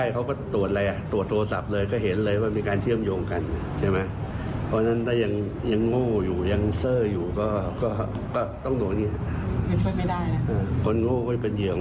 คนฉลาดก็คือเจ้าหน้าที่จำนวน